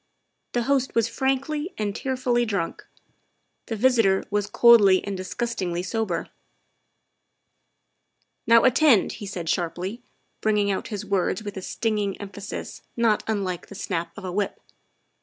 The host was frankly and tearfully drunk; the visitor was coldly and disgustedly sober. 24 THE WIFE OF " Now attend," he said sharply, bringing out his words with a stinging emphasis not unlike the snap of a whip.